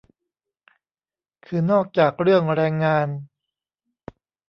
คือนอกจากเรื่องแรงงาน